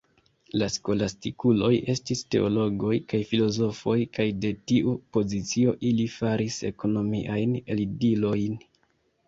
La skolastikuloj estis teologoj kaj filozofoj, kaj de tiu pozicio ili faris ekonomiajn eldirojn.